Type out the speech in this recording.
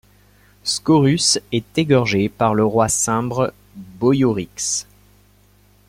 Scaurus est égorgé par le roi cimbre Boiorix.